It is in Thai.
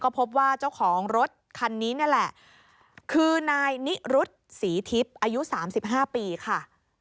พบว่าเจ้าของรถคันนี้นี่แหละคือนายนิรุธศรีทิพย์อายุ๓๕ปีค่ะ